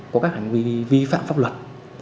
có các hành vi vi phạm pháp luật